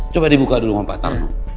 coba dibuka dulu sama pak tarno